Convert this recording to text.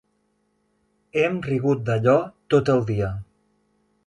Hem rigut d'allò tot el dia.